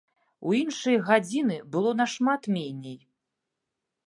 У іншыя гадзіны было нашмат меней.